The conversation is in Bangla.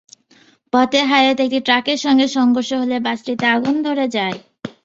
পথে হাইওয়েতে একটি ট্রাকের সঙ্গে সংঘর্ষ হলে বাসটিতে আগুন ধরে যায়।